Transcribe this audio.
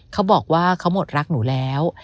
เขาบอกว่าเขาหมดรักหนูแล้ว